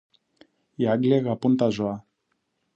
Οι Άγγλοι αγαπούν τα ζώα